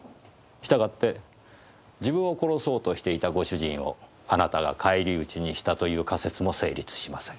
したがって自分を殺そうとしていたご主人をあなたが返り討ちにしたという仮説も成立しません。